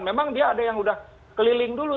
memang dia ada yang udah keliling dulu